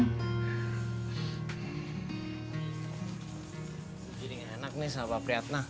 gini gak enak nih sahabat prihatna